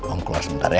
om keluar sebentar ya